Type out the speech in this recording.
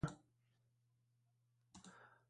不是两个？大脑不也是？